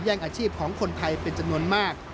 อาชีพของคนไทยเป็นจำนวนมาก